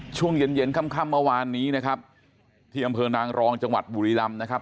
ช่วงเย็นเย็นค่ำเมื่อวานนี้นะครับที่อำเภอนางรองจังหวัดบุรีรำนะครับ